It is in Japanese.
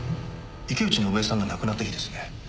池内伸枝さんが亡くなった日ですね。